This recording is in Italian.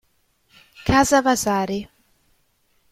Casa Vasari